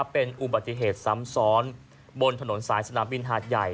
เป็นอุบัติเหตุซ้ำซ้อนบนถนนสายสนามบินหาดใหญ่